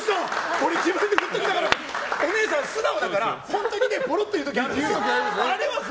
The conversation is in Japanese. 俺、自分で振っときながらお姉さん、素直だから本当にポロッと言う時あるんですよ。